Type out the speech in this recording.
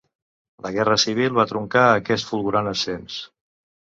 La Guerra Civil va truncar aquest fulgurant ascens.